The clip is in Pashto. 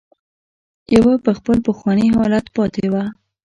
يوه په خپل پخواني حالت پاتې وه.